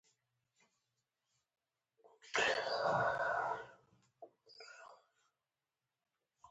کوچني کاروبارونه د راتلونکي نسل لپاره میراث دی.